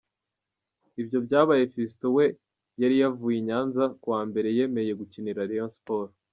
Ibyo byabaye Fiston we yari yavuye i Nyanza kuwa Mbere yemeye gukinira Rayon Sports.